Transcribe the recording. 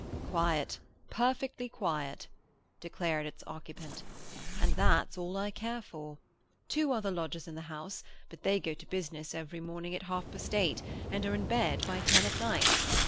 "Quiet, perfectly quiet," declared its occupant, "and that's all I care for. Two other lodgers in the house; but they go to business every morning at half past eight, and are in bed by ten at night.